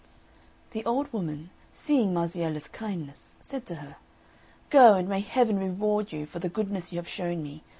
The old woman, seeing Marziella's kindness, said to her, "Go, and may Heaven reward you for the goodness you have shown me!